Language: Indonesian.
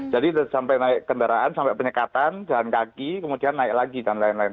jadi sampai naik kendaraan sampai penyekatan jalan kaki kemudian naik lagi dan lain lain